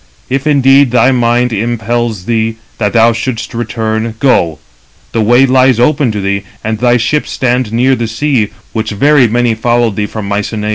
If indeed thy mind impels thee, that thou shouldst return, go: the way lies open to thee, and thy ships stand near the sea, which very many followed thee from Mycenæ.